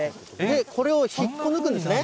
これを引っこ抜くんですね。